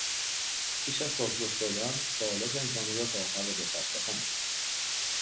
پیش از پاسخ دادن، سوالات امتحانی را تا آخر با دقت بخوانید.